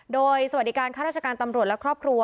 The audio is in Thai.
โดยสวัสดีการข้าราชการตำรวจและครอบครัว